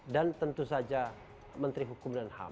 dan tentu saja menteri hukum dan ham